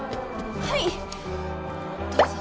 はいどうぞ。